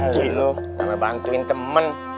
gile lu sama bantuin temen